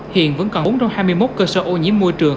hiện vẫn còn bốn trăm hai mươi một cơ sở ô nhiễm môi trường